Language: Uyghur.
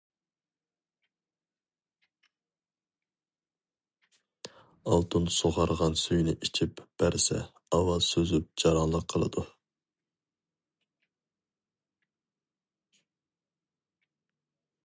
ئالتۇن سۇغارغان سۈيىنى ئىچىپ بەرسە ئاۋاز سۈزۈپ جاراڭلىق قىلىدۇ.